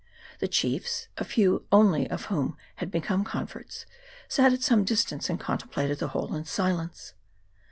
The chiefs, a few only of whom had become converts, sat at some distance, and contemplated the whole in silence.